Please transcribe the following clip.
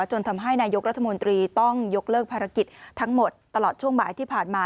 จนทำให้นายกรัฐมนตรีต้องยกเลิกภารกิจทั้งหมดตลอดช่วงบ่ายที่ผ่านมา